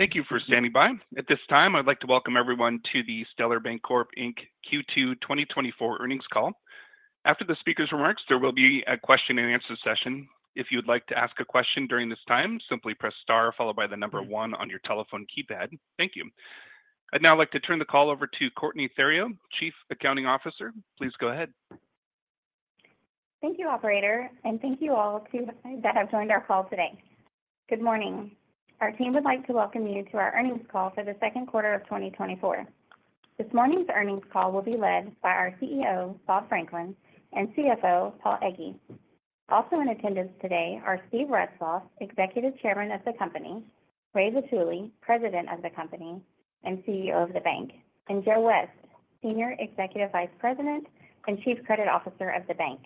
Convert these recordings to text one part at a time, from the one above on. Thank you for standing by. At this time, I'd like to welcome everyone to the Stellar Bancorp Inc. Q2 2024 earnings call. After the speaker's remarks, there will be a question and answer session. If you'd like to ask a question during this time, simply press star followed by the number one on your keypad. Thank you. I'd now like to turn the call over to Courtney Theriot, Chief Accounting Officer. Please go ahead. Thank you, operator, and thank you all to, that have joined our call today. Good morning. Our team would like to welcome you to our earnings call for the second quarter of 2024. This morning's earnings call will be led by our CEO, Bob Franklin, and CFO, Paul Egge. Also in attendance today are Steve Retzloff, Executive Chairman of the company, Ray Vitulli, President of the company and CEO of the bank, and Joe West, Senior Executive Vice President and Chief Credit Officer of the bank.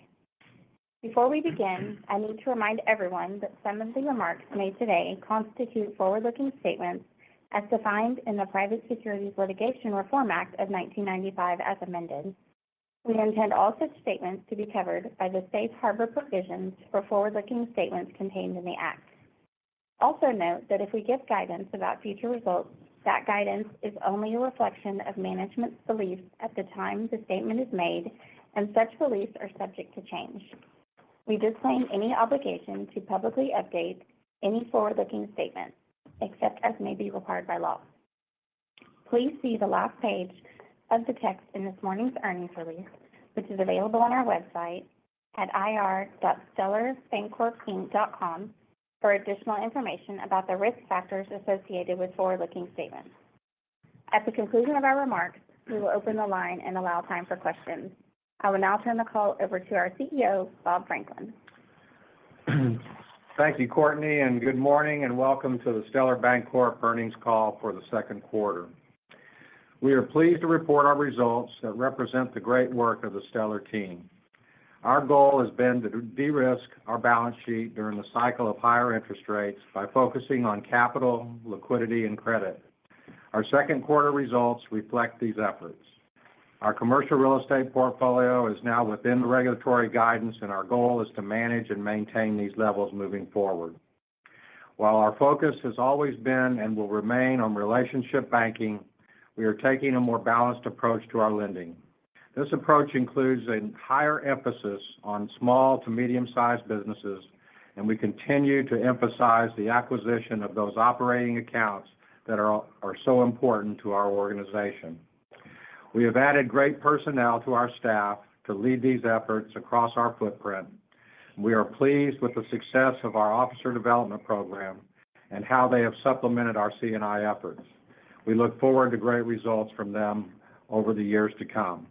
Before we begin, I need to remind everyone that some of the remarks made today constitute forward-looking statements as defined in the Private Securities Litigation Reform Act of 1995, as amended. We intend all such statements to be covered by the safe harbor provisions for forward-looking statements contained in the act. Also note that if we give guidance about future results, that guidance is only a reflection of management's beliefs at the time the statement is made, and such beliefs are subject to change. We disclaim any obligation to publicly update any forward-looking statements, except as may be required by law. Please see the last page of the text in this morning's earnings release, which is available on our website at ir.stellarbancorpinc.com for additional information about the risk factors associated with forward-looking statements. At the conclusion of our remarks, we will open the line and allow time for questions. I will now turn the call over to our CEO, Bob Franklin. Thank you, Courtney, and good morning, and welcome to the Stellar Bancorp earnings call for the second quarter. We are pleased to report our results that represent the great work of the Stellar team. Our goal has been to de-risk our balance sheet during the cycle of higher interest rates by focusing on capital, liquidity, and credit. Our second quarter results reflect these efforts. Our commercial real estate portfolio is now within the regulatory guidance, and our goal is to manage and maintain these levels moving forward. While our focus has always been and will remain on relationship banking, we are taking a more balanced approach to our lending. This approach includes a higher emphasis on small to medium-sized businesses, and we continue to emphasize the acquisition of those operating accounts that are so important to our organization. We have added great personnel to our staff to lead these efforts across our footprint. We are pleased with the success of our Officer Development Program and how they have supplemented our C&I efforts. We look forward to great results from them over the years to come.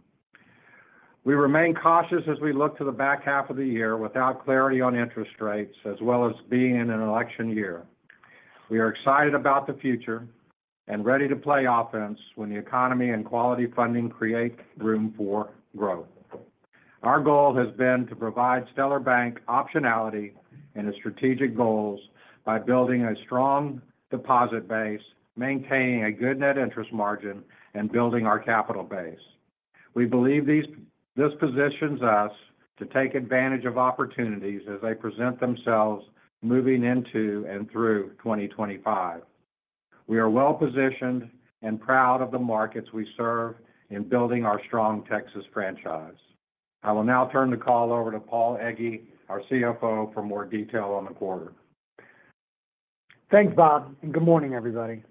We remain cautious as we look to the back half of the year without clarity on interest rates, as well as being in an election year. We are excited about the future and ready to play offense when the economy and quality funding create room for growth. Our goal has been to provide Stellar Bank optionality in its strategic goals by building a strong deposit base, maintaining a good net interest margin, and building our capital base. We believe this positions us to take advantage of opportunities as they present themselves moving into and through 2025. We are well-positioned and proud of the markets we serve in building our strong Texas franchise. I will now turn the call over to Paul Egge, our CFO, for more detail on the quarter. Thanks, Bob, and good morning, everybody.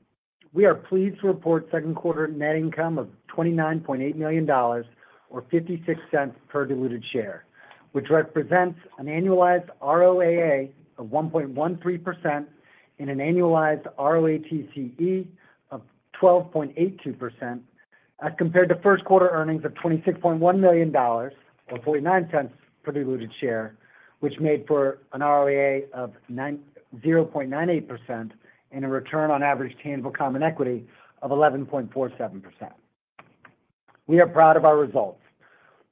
We are pleased to report second quarter net income of $29.8 million or $0.56 per diluted share, which represents an annualized ROAA of 1.13% and an annualized ROATCE of 12.82%, as compared to first quarter earnings of $26.1 million or $0.49 per diluted share, which made for an ROAA of 0.98% and a return on average tangible common equity of 11.47%. We are proud of our results,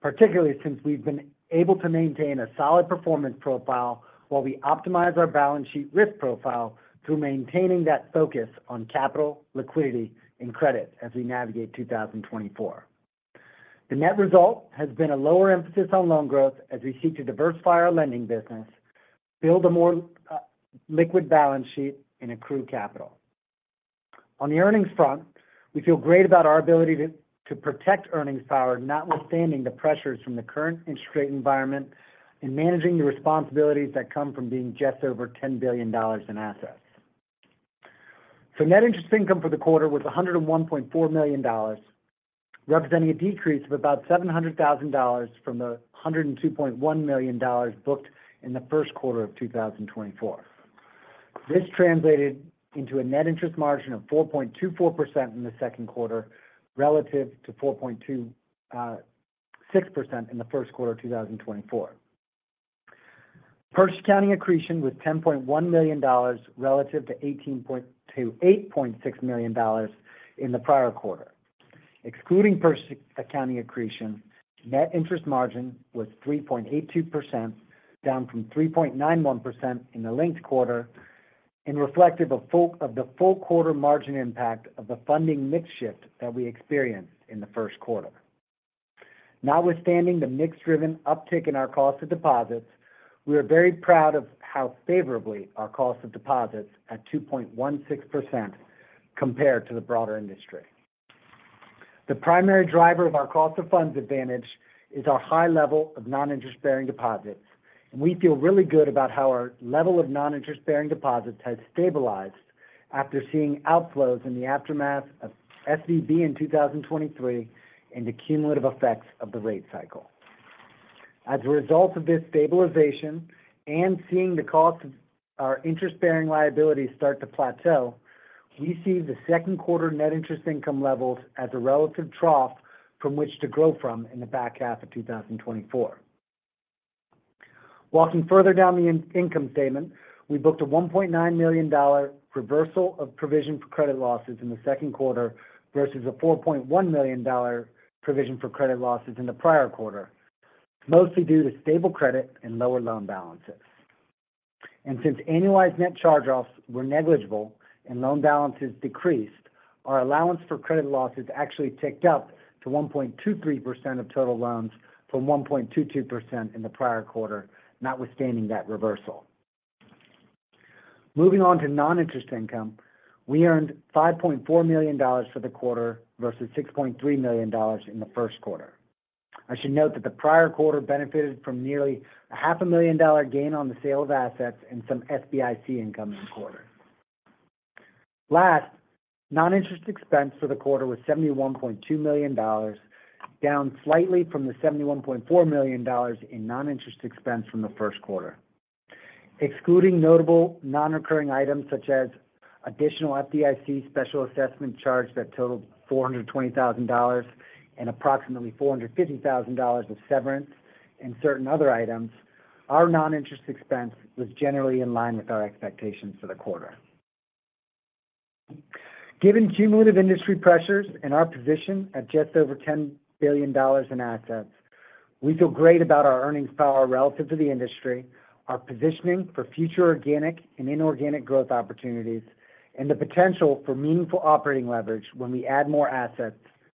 particularly since we've been able to maintain a solid performance profile while we optimize our balance sheet risk profile through maintaining that focus on capital, liquidity and credit as we navigate 2024. The net result has been a lower emphasis on loan growth as we seek to diversify our lending business, build a more liquid balance sheet and accrue capital. On the earnings front, we feel great about our ability to protect earnings power, notwithstanding the pressures from the current interest rate environment and managing the responsibilities that come from being just over $10 billion in assets. So net interest income for the quarter was $101.4 million, representing a decrease of about $700,000 from the $102.1 million booked in the first quarter of 2024. This translated into a net interest margin of 4.24% in the second quarter, relative to 4.26% in the first quarter of 2024. Purchase accounting accretion was $10.1 million relative to $8.6 million in the prior quarter. Excluding purchase accounting accretion, net interest margin was 3.82%, down from 3.91% in the linked quarter, and reflective of the full quarter margin impact of the funding mix shift that we experienced in the first quarter. Notwithstanding the mix-driven uptick in our cost of deposits, we are very proud of how favorably our cost of deposits at 2.16% compared to the broader industry. The primary driver of our cost of funds advantage is our high level of non-interest-bearing deposits, and we feel really good about how our level of non-interest-bearing deposits has stabilized after seeing outflows in the aftermath of SVB in 2023 and the cumulative effects of the rate cycle. As a result of this stabilization and seeing the cost of our interest-bearing liabilities start to plateau, we see the second quarter net interest income levels as a relative trough from which to grow from in the back half of 2024. Walking further down the income statement, we booked a $1.9 million reversal of provision for credit losses in the second quarter versus a $4.1 million provision for credit losses in the prior quarter, mostly due to stable credit and lower loan balances. And since annualized net charge-offs were negligible and loan balances decreased, our allowance for credit losses actually ticked up to 1.23% of total loans from 1.22% in the prior quarter, notwithstanding that reversal. Moving on to non-interest income, we earned $5.4 million for the quarter versus $6.3 million in the first quarter. I should note that the prior quarter benefited from nearly a $500,000 gain on the sale of assets and some FDIC income in the quarter. Last, non-interest expense for the quarter was $71.2 million, down slightly from the $71.4 million in non-interest expense from the first quarter. Excluding notable non-recurring items, such as additional FDIC special assessment charge that totaled $420,000 and approximately $450,000 of severance and certain other items, our non-interest expense was generally in line with our expectations for the quarter. Given cumulative industry pressures and our position at just over $10 billion in assets, we feel great about our earnings power relative to the industry, our positioning for future organic and inorganic growth opportunities, and the potential for meaningful operating leverage when we add more assets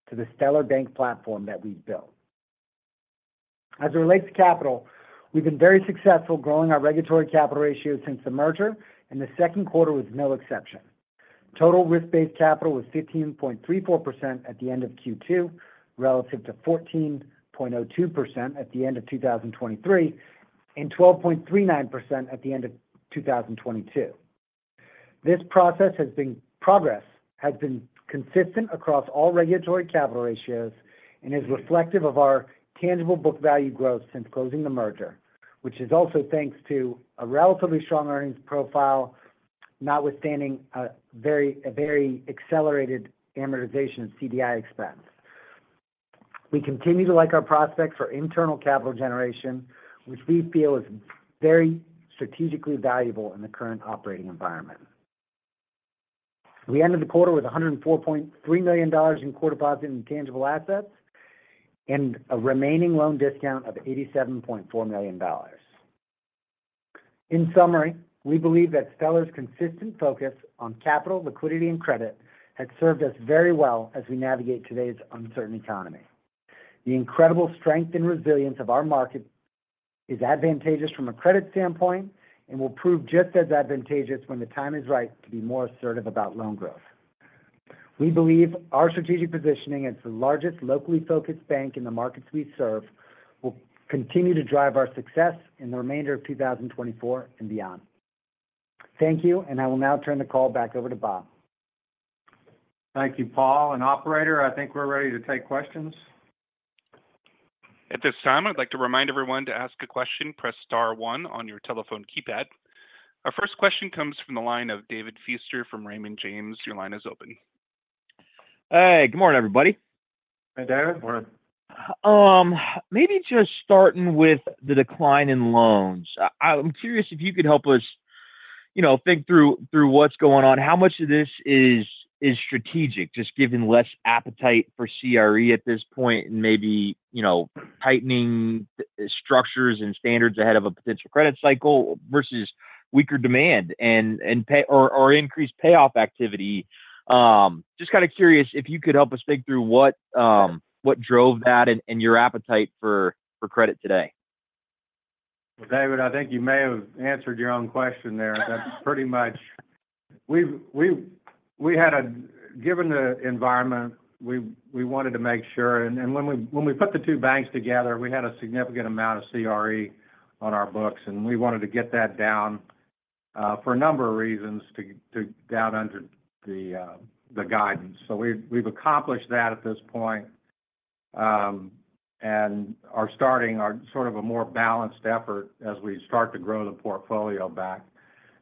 to the Stellar Bank platform that we've built. As it relates to capital, we've been very successful growing our regulatory capital ratio since the merger, and the second quarter was no exception. Total risk-based capital was 15.34% at the end of Q2, relative to 14.02% at the end of 2023, and 12.39% at the end of 2022. Progress has been consistent across all regulatory capital ratios and is reflective of our tangible book value growth since closing the merger, which is also thanks to a relatively strong earnings profile, notwithstanding a very accelerated amortization of CDI expense. We continue to like our prospects for internal capital generation, which we feel is very strategically valuable in the current operating environment. We ended the quarter with $104.3 million in core deposit intangible assets, and a remaining loan discount of $87.4 million. In summary, we believe that Stellar's consistent focus on capital, liquidity, and credit has served us very well as we navigate today's uncertain economy. The incredible strength and resilience of our market is advantageous from a credit standpoint and will prove just as advantageous when the time is right to be more assertive about loan growth. We believe our strategic positioning as the largest locally focused bank in the markets we serve, will continue to drive our success in the remainder of 2024 and beyond. Thank you, and I will now turn the call back over to Bob. Thank you, Paul. Operator, I think we're ready to take questions. At this time, I'd like to remind everyone to ask a question, press star one on your telephone keypad. Our first question comes from the line of David Feaster from Raymond James. Your line is open. Hey, good morning, everybody. Hi, David. Morning. Maybe just starting with the decline in loans. I'm curious if you could help us, you know, think through what's going on. How much of this is strategic, just given less appetite for CRE at this point, and maybe, you know, tightening structures and standards ahead of a potential credit cycle versus weaker demand and payoffs or increased payoff activity? Just kind of curious if you could help us think through what drove that and your appetite for credit today. Well, David, I think you may have answered your own question there. That's pretty much, given the environment, we wanted to make sure, and when we put the two banks together, we had a significant amount of CRE on our books, and we wanted to get that down for a number of reasons, to down under the guidance. So we've accomplished that at this point, and are starting our sort of a more balanced effort as we start to grow the portfolio back.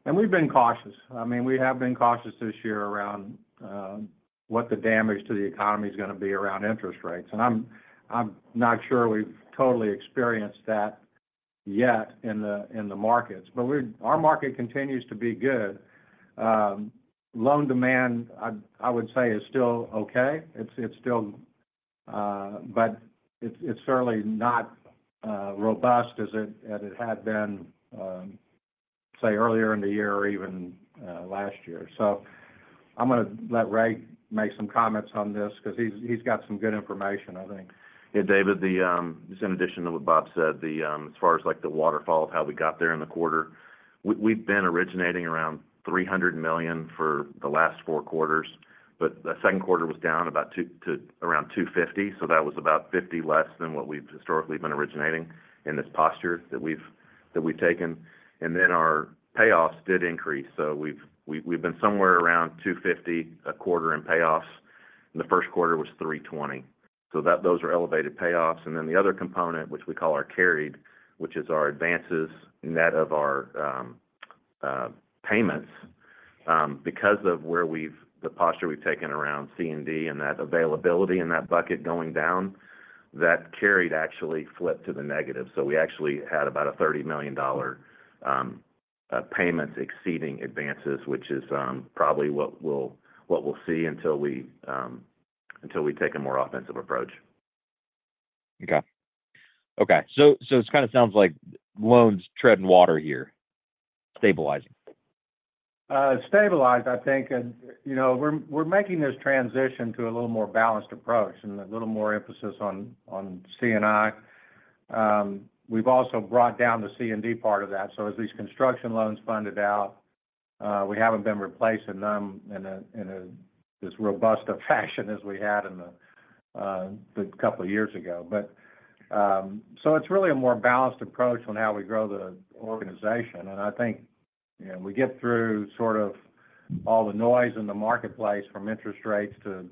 And we've been cautious. I mean, we have been cautious this year around what the damage to the economy is going to be around interest rates. And I'm not sure we've totally experienced that yet in the markets, but our market continues to be good. Loan demand, I would say, is still okay. It's still, but it's certainly not robust as it had been, say, earlier in the year or even last year. So I'm gonna let Ray make some comments on this, 'cause he's got some good information, I think. Yeah, David, just in addition to what Bob said, as far as like the waterfall of how we got there in the quarter, we've been originating around $300 million for the last four quarters, but the second quarter was down about to around $250 million, so that was about $50 million less than what we've historically been originating in this posture that we've taken. And then our payoffs did increase, so we've been somewhere around $250 million a quarter in payoffs, and the first quarter was $320 million. So those are elevated payoffs. And then the other component, which we call our carried, which is our advances, net of our payments. Because of the posture we've taken around C&D, and that availability in that bucket going down, that carried actually flipped to the negative. So we actually had about a $30 million payments exceeding advances, which is probably what we'll see until we take a more offensive approach. Okay. Okay, so, so it kind of sounds like loans treading water here, stabilizing? Stabilized, I think, and you know, we're making this transition to a little more balanced approach and a little more emphasis on C&I. We've also brought down the C&D part of that. So as these construction loans funded out, we haven't been replacing them in as robust a fashion as we had in the couple of years ago. But so it's really a more balanced approach on how we grow the organization, and I think you know, we get through sort of all the noise in the marketplace, from interest rates to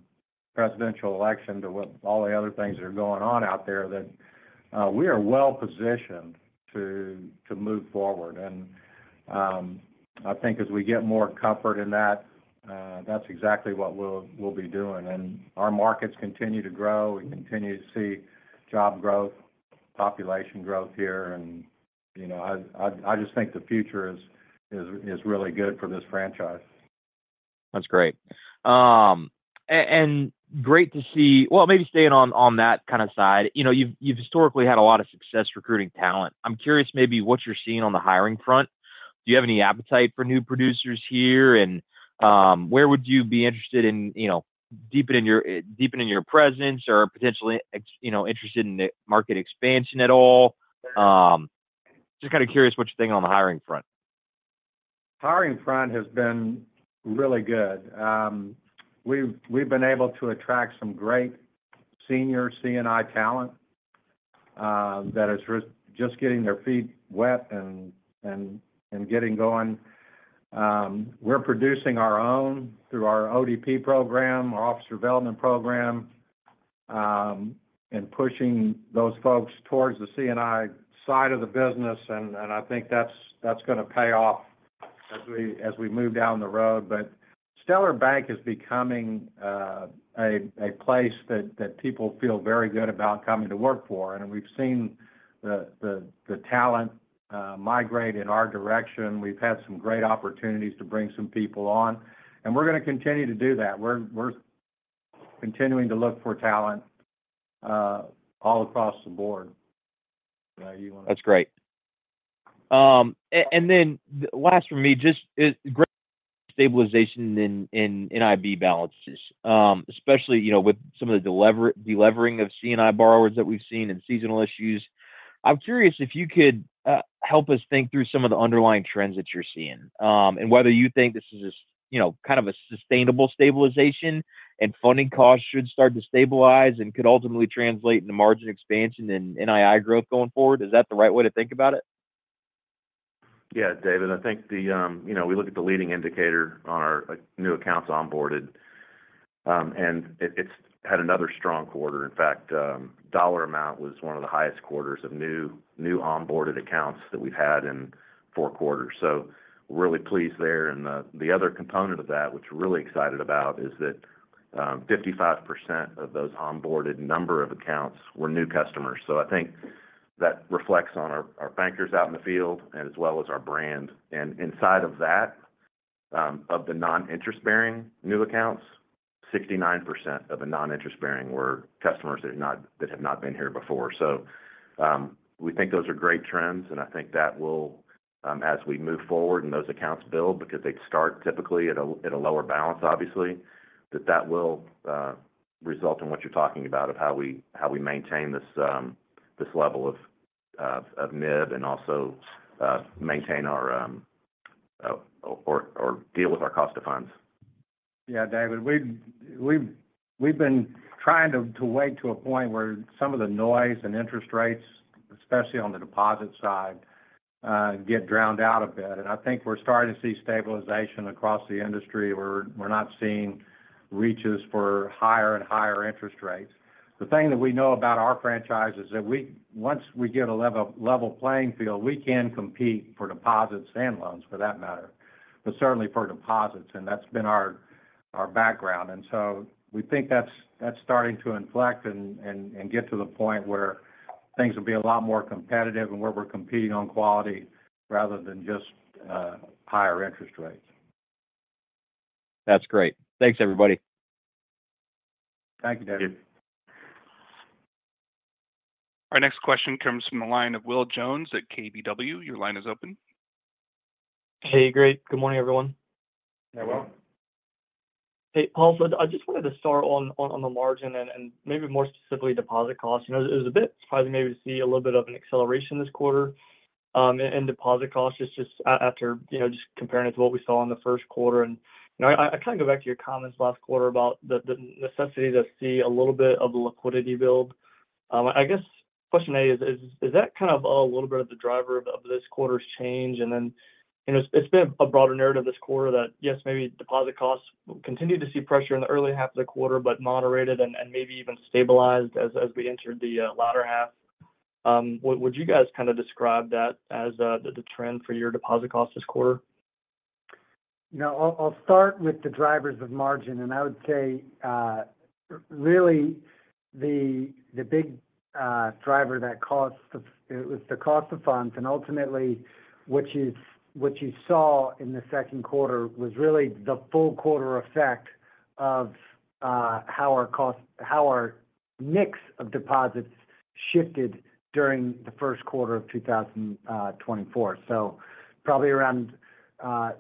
presidential election, to what all the other things that are going on out there, that we are well-positioned to move forward. And I think as we get more comfort in that, that's exactly what we'll be doing. Our markets continue to grow. We continue to see job growth, population growth here, and, you know, I just think the future is really good for this franchise. That's great. And great to see. Well, maybe staying on that kind of side, you know, you've historically had a lot of success recruiting talent. I'm curious maybe what you're seeing on the hiring front. Do you have any appetite for new producers here? And where would you be interested in, you know, deepening your presence or potentially, you know, interested in market expansion at all? Just kind of curious what you're thinking on the hiring front. Hiring front has been really good. We've been able to attract some great senior C&I talent that is just getting their feet wet and getting going. We're producing our own through our ODP program, our Officer Development Program, and pushing those folks towards the C&I side of the business, and I think that's gonna pay off as we move down the road. But Stellar Bank is becoming a place that people feel very good about coming to work for, and we've seen the talent migrate in our direction. We've had some great opportunities to bring some people on, and we're gonna continue to do that. We're continuing to look for talent all across the board. Ray, you want to? That's great. And then last for me, just great stabilization in NIB balances, especially, you know, with some of the delevering of C&I borrowers that we've seen and seasonal issues. I'm curious if you could help us think through some of the underlying trends that you're seeing, and whether you think this is just, you know, kind of a sustainable stabilization, and funding costs should start to stabilize and could ultimately translate into margin expansion and NII growth going forward. Is that the right way to think about it? Yeah, David, I think the, you know, we look at the leading indicator on our, like, new accounts onboarded, and it, it's had another strong quarter. In fact, dollar amount was one of the highest quarters of new, new onboarded accounts that we've had in four quarters. So we're really pleased there. And the, the other component of that, which we're really excited about, is that, 55% of those onboarded number of accounts were new customers. So I think that reflects on our, our bankers out in the field and as well as our brand. And inside of that, of the non-interest-bearing new accounts, 69% of the non-interest-bearing were customers that have not, that have not been here before. So, we think those are great trends, and I think that will, as we move forward and those accounts build, because they start typically at a lower balance, obviously, that will result in what you're talking about, of how we maintain this level of NIB and also maintain our, or deal with our cost of funds. Yeah, David, we've been trying to wait to a point where some of the noise and interest rates, especially on the deposit side, get drowned out a bit. And I think we're starting to see stabilization across the industry, where we're not seeing reaches for higher and higher interest rates. The thing that we know about our franchise is that once we get a level playing field, we can compete for deposits and loans, for that matter, but certainly for deposits, and that's been our background. And so we think that's starting to inflect and get to the point where things will be a lot more competitive and where we're competing on quality rather than just higher interest rates. That's great. Thanks, everybody. Thank you, David. Our next question comes from the line of Will Jones at KBW. Your line is open. Hey, great. Good morning, everyone. Hey, Will. Hey, Paul, so I just wanted to start on the margin and maybe more specifically, deposit costs. You know, it was a bit surprising maybe to see a little bit of an acceleration this quarter in deposit costs. It's just after, you know, just comparing it to what we saw in the first quarter. And, you know, I kind of go back to your comments last quarter about the necessity to see a little bit of the liquidity build. I guess question A is, is that kind of a little bit of the driver of this quarter's change? And then, you know, it's been a broader narrative this quarter that, yes, maybe deposit costs will continue to see pressure in the early half of the quarter, but moderated and maybe even stabilized as we entered the latter half. Would you guys kind of describe that as the trend for your deposit costs this quarter? You know, I'll start with the drivers of margin, and I would say, really the big driver. It was the cost of funds. And ultimately, what you saw in the second quarter was really the full quarter effect of how our mix of deposits shifted during the first quarter of 2024. So probably around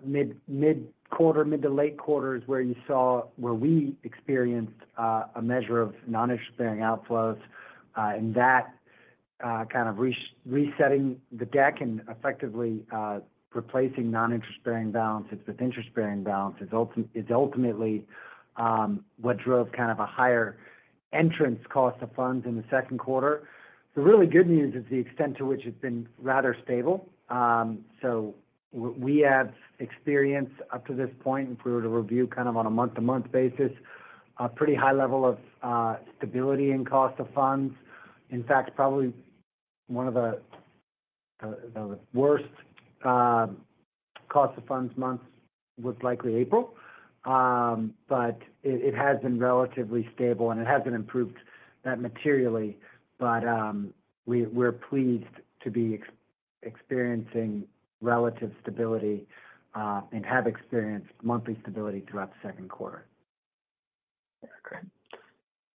mid to late quarter is where we experienced a measure of non-interest-bearing outflows. And that kind of resetting the deck and effectively replacing non-interest-bearing balances with interest-bearing balances is ultimately what drove kind of a higher interest cost of funds in the second quarter. The really good news is the extent to which it's been rather stable. So we have experience up to this point, if we were to review kind of on a month-to-month basis, a pretty high level of stability in cost of funds. In fact, probably one of the worst cost of funds months was likely April. But it has been relatively stable and it hasn't improved that materially. But we're pleased to be experiencing relative stability and have experienced monthly stability throughout the second quarter. Yeah. Great.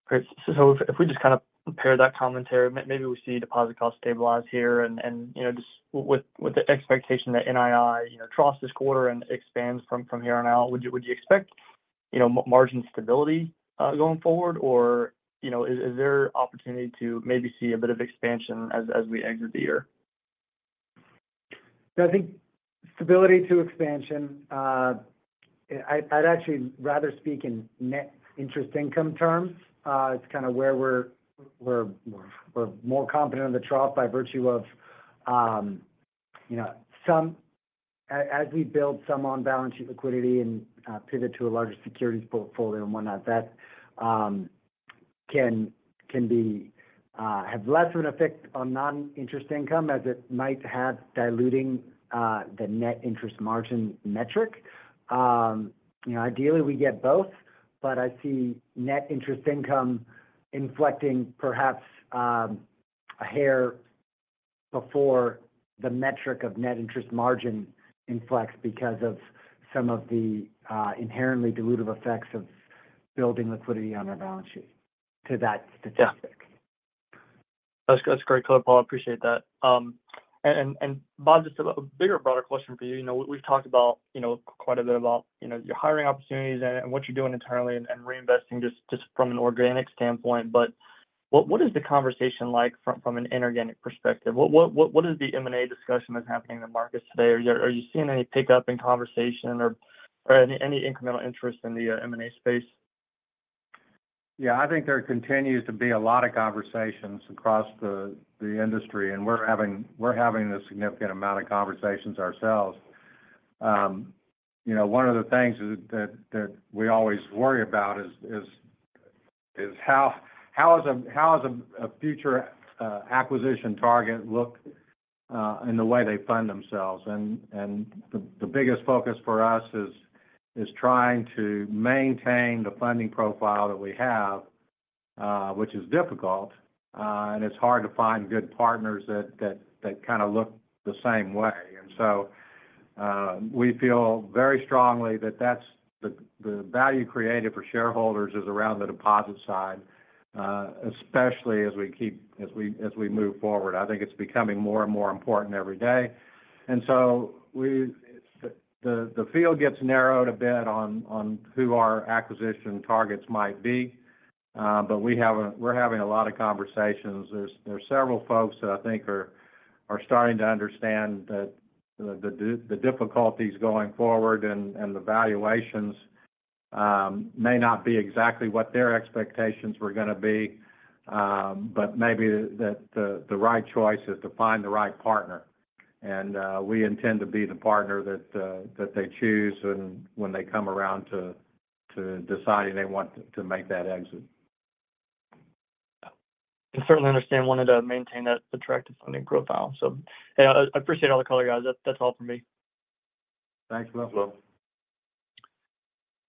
Great, so if we just kind of compare that commentary, maybe we see deposit costs stabilize here and, you know, just with the expectation that NII, you know, troughs this quarter and expands from here on out, would you expect, you know, margin stability going forward? Or, you know, is there opportunity to maybe see a bit of expansion as we exit the year? So I think stability to expansion, I'd actually rather speak in net interest income terms. It's kind of where we're more confident in the trough by virtue of you know some as we build some on-balance sheet liquidity and pivot to a larger securities portfolio and whatnot, that can have less of an effect on non-interest income as it might have diluting the net interest margin metric. You know, ideally, we'd get both, but I see net interest income inflecting perhaps a hair before the metric of net interest margin inflection because of some of the inherently dilutive effects of building liquidity on our balance sheet to that statistic. Yeah. That's great color, Paul. I appreciate that. And, Bob, just a bigger, broader question for you. You know, we've talked about, you know, quite a bit about, you know, your hiring opportunities and what you're doing internally and reinvesting just from an organic standpoint. But what is the conversation like from an inorganic perspective? What is the M&A discussion that's happening in the markets today? Are you seeing any pickup in conversation or any incremental interest in the M&A space? Yeah, I think there continues to be a lot of conversations across the industry, and we're having a significant amount of conversations ourselves. You know, one of the things is that we always worry about is how is a future acquisition target look in the way they fund themselves? And the biggest focus for us is trying to maintain the funding profile that we have, which is difficult, and it's hard to find good partners that kind of look the same way. And so, we feel very strongly that that's the value created for shareholders is around the deposit side, especially as we move forward. I think it's becoming more and more important every day. And so the field gets narrowed a bit on who our acquisition targets might be, but we're having a lot of conversations. There are several folks that I think are starting to understand that the difficulties going forward and the valuations may not be exactly what their expectations were gonna be, but maybe the right choice is to find the right partner. And we intend to be the partner that they choose when they come around to deciding they want to make that exit. Yeah. I certainly understand wanting to maintain that attractive funding profile. So, yeah, I, I appreciate all the color, guys. That's, that's all for me. Thanks, Will.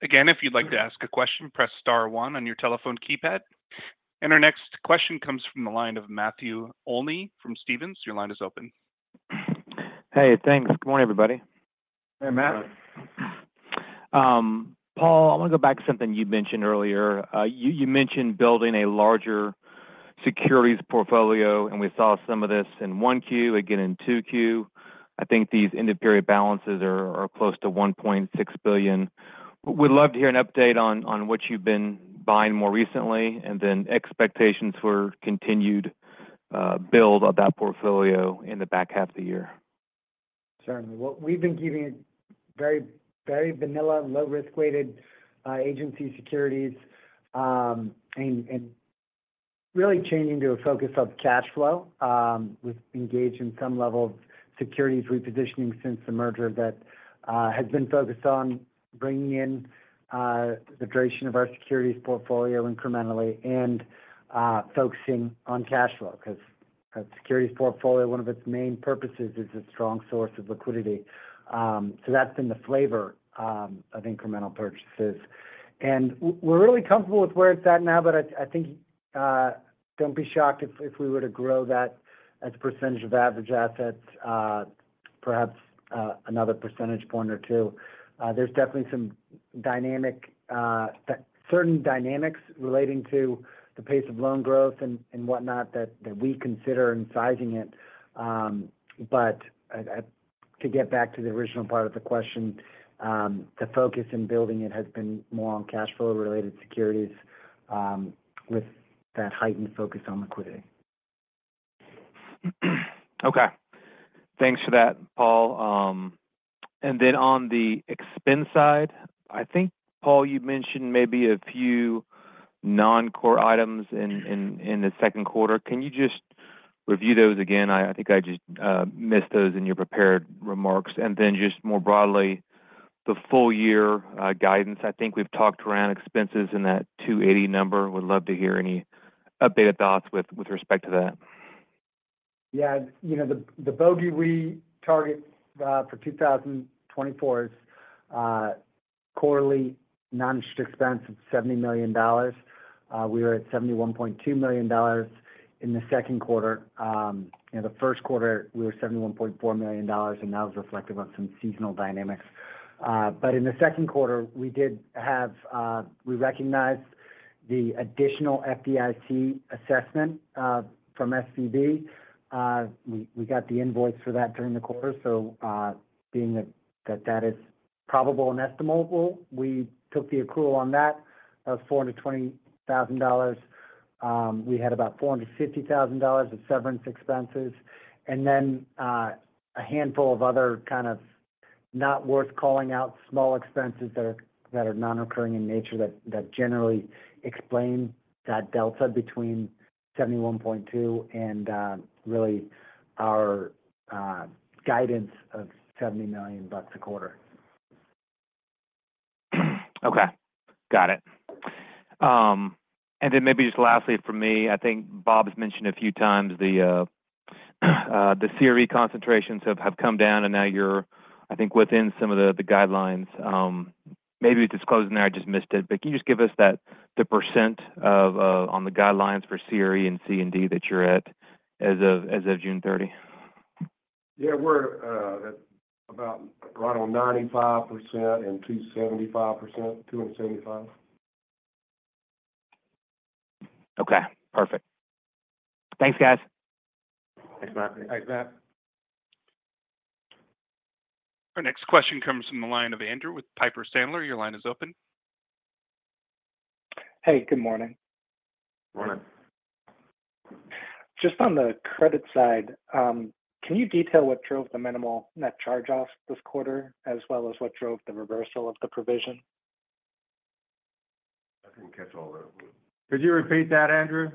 Again, if you'd like to ask a question, press star one on your telephone keypad. Our next question comes from the line of Matthew Olney from Stephens. Your line is open. Hey, thanks. Good morning, everybody. Hey, Matt. Hey. Paul, I want to go back to something you mentioned earlier. You, you mentioned building a larger securities portfolio, and we saw some of this in 1Q, again in 2Q. I think these end of period balances are, are close to $1.6 billion. Would love to hear an update on, on what you've been buying more recently, and then expectations for continued build of that portfolio in the back half of the year. Certainly. Well, we've been keeping it very, very vanilla, low risk-weighted agency securities, and really changing to a focus of cash flow. We've engaged in some level of securities repositioning since the merger that has been focused on bringing in the duration of our securities portfolio incrementally and focusing on cash flow. 'Cause a securities portfolio, one of its main purposes is a strong source of liquidity. So that's been the flavor of incremental purchases. And we're really comfortable with where it's at now, but I think, don't be shocked if we were to grow that as a percentage of average assets, perhaps another percentage point or two. There's definitely certain dynamics relating to the pace of loan growth and whatnot that we consider in sizing it. But, to get back to the original part of the question, the focus in building it has been more on cash flow-related securities, with that heightened focus on liquidity. Okay. Thanks for that, Paul. And then on the expense side, I think, Paul, you mentioned maybe a few non-core items in the second quarter. Can you just review those again? I think I just missed those in your prepared remarks. And then just more broadly, the full year guidance, I think we've talked around expenses in that $280 number. Would love to hear any updated thoughts with respect to that. Yeah. You know, the bogey we target for 2024 is quarterly non-interest expense of $70 million. We were at $71.2 million in the second quarter. In the first quarter, we were $71.4 million, and that was reflective of some seasonal dynamics. But in the second quarter, we did have we recognized the additional FDIC assessment from SVB. We got the invoice for that during the quarter. So, being that that is probable and estimable, we took the accrual on that of $420,000. We had about $450,000 of severance expenses, and then a handful of other kind of not worth calling out small expenses that are non-occurring in nature, that generally explain that delta between $71.2 million and really our guidance of $70 million a quarter. Okay, got it. Then maybe just lastly from me, I think Bob has mentioned a few times the CRE concentrations have come down, and now you're, I think, within some of the guidelines. Maybe it disclosed in there, I just missed it. But can you just give us that, the percent of on the guidelines for CRE and C&D that you're at as of June thirty? Yeah. We're at about right on 95% and 2.75%. 2.75. Okay, perfect. Thanks, guys. Thanks, Matt. Thanks, Matt. Our next question comes from the line of Andrew Liesch with Piper Sandler. Your line is open. Hey, good morning. Morning. Just on the credit side, can you detail what drove the minimal net charge-offs this quarter, as well as what drove the reversal of the provision? I didn't catch all that. Could you repeat that, Andrew?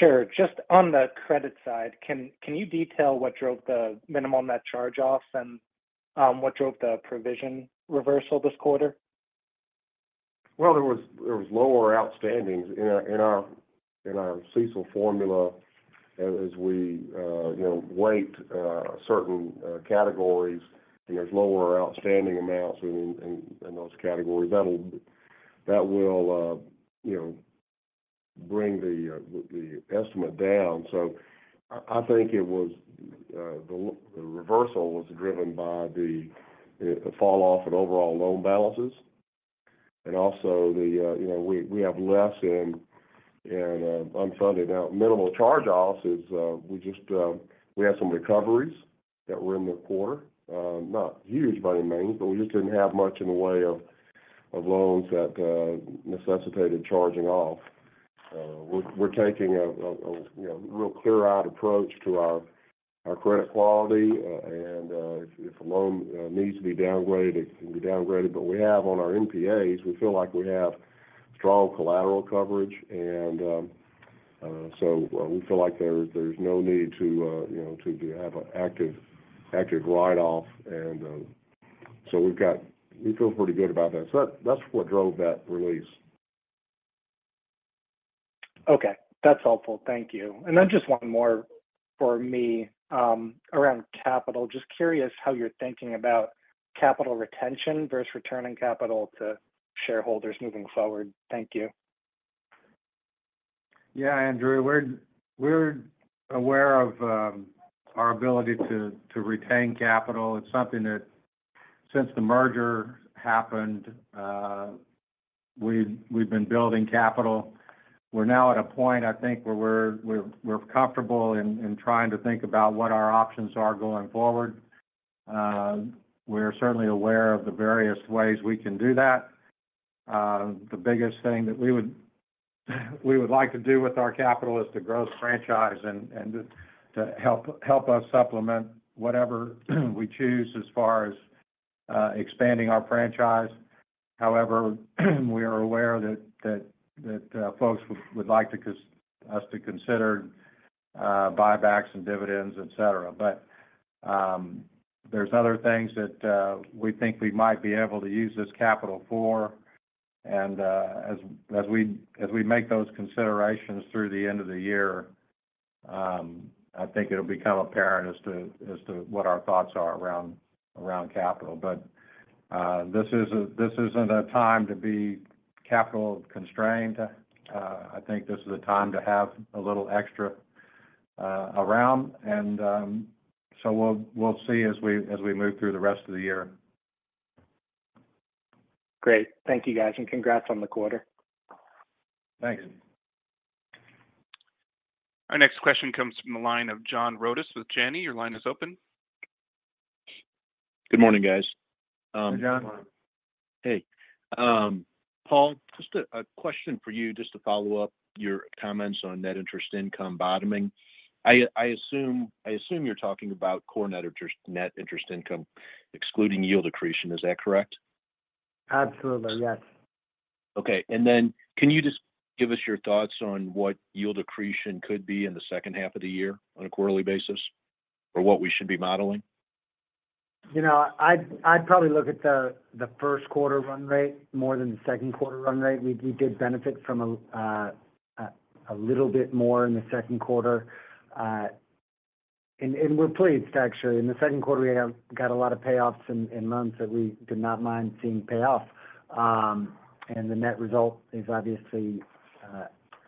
Sure. Just on the credit side, can you detail what drove the minimum net charge-offs and what drove the provision reversal this quarter? Well, there was lower outstandings in our CECL formula as we, you know, weigh certain categories, and there's lower outstanding amounts in those categories. That'll bring the estimate down. So I think it was the reversal was driven by the falloff in overall loan balances, and also, you know, we have less in unfunded now. Minimal charge-offs is we just we had some recoveries that were in the quarter. Not huge by any means, but we just didn't have much in the way of loans that necessitated charging off. We're taking a, you know, real clear out approach to our credit quality, and if a loan needs to be downgraded, it can be downgraded. But we have on our NPAs, we feel like we have strong collateral coverage, and so we feel like there's no need to, you know, to have an active write-off. And so we've got we feel pretty good about that. So that's what drove that release. Okay. That's helpful. Thank you. And then just one more for me, around capital. Just curious how you're thinking about capital retention versus returning capital to shareholders moving forward. Thank you. Yeah, Andrew, we're aware of our ability to retain capital. It's something that since the merger happened, we've been building capital. We're now at a point, I think, where we're comfortable in trying to think about what our options are going forward. We're certainly aware of the various ways we can do that. The biggest thing that we would like to do with our capital is to grow the franchise and to help us supplement whatever we choose as far as expanding our franchise. However, we are aware that folks would like us to consider buybacks and dividends, et cetera. But, there's other things that we think we might be able to use this capital for. As we make those considerations through the end of the year, I think it'll become apparent as to what our thoughts are around capital. This isn't a time to be capital constrained. I think this is a time to have a little extra around, and so we'll see as we move through the rest of the year. Great. Thank you, guys, and congrats on the quarter. Thanks. Our next question comes from the line of John Rodis with Janney. Your line is open. Good morning, guys. Hey, John. Hey. Paul, just a question for you, just to follow up your comments on net interest income bottoming. I assume you're talking about core net interest income, excluding yield accretion, is that correct? Absolutely, yes. Okay. And then, can you just give us your thoughts on what yield accretion could be in the second half of the year on a quarterly basis, or what we should be modeling? You know, I'd probably look at the first quarter run rate more than the second quarter run rate. We did benefit from a little bit more in the second quarter. And we're pleased, actually. In the second quarter, we have got a lot of payoffs in loans that we did not mind seeing pay off. And the net result is obviously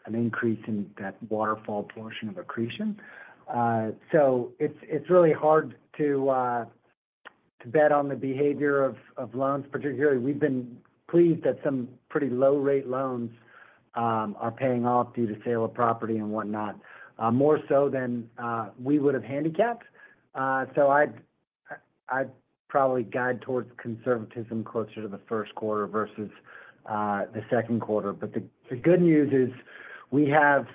an increase in that waterfall portion of accretion. So it's really hard to bet on the behavior of loans particularly. We've been pleased that some pretty low rate loans are paying off due to sale of property and whatnot, more so than we would've handicapped. So I'd probably guide towards conservatism closer to the first quarter versus the second quarter. But the good news is, we have,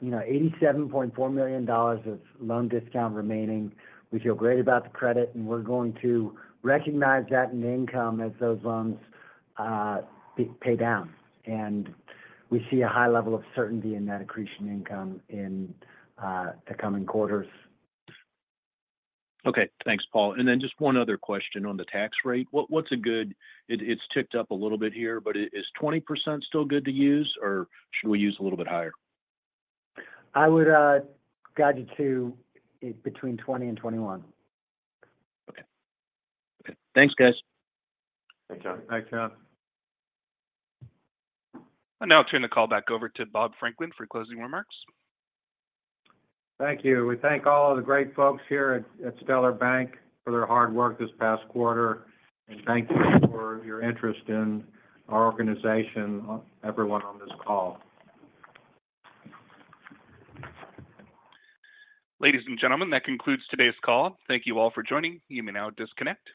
you know, $87.4 million of loan discount remaining. We feel great about the credit, and we're going to recognize that in income as those loans pay down, and we see a high level of certainty in that accretion income in the coming quarters. Okay. Thanks, Paul. And then just one other question on the tax rate. What's a good, it's ticked up a little bit here, but is 20% still good to use, or should we use a little bit higher? I would guide you to between 20% and 21%. Okay. Okay. Thanks, guys. Thanks, John. Thanks, John. I now turn the call back over to Bob Franklin for closing remarks. Thank you. We thank all of the great folks here at Stellar Bank for their hard work this past quarter, and thank you for your interest in our organization, everyone on this call. Ladies and gentlemen, that concludes today's call. Thank you all for joining. You may now disconnect.